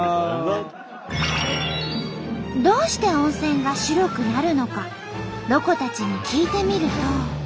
どうして温泉が白くなるのかロコたちに聞いてみると。